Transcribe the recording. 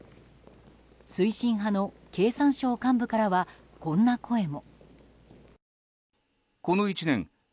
推進派の経産省幹部からはこんな声も。